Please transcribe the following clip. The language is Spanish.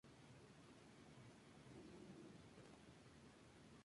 La ciudad tiene diversos templos budistas así como una mezquita.